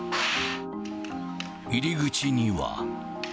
入り口には。